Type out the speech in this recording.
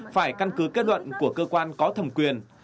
phải căn cứ kết luận của cơ quan có thẩm quyền